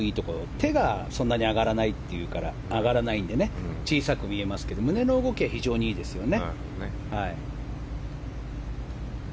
手がそんなに上がらないんで小さく見えますけど胸の動きは非常にいいですよね。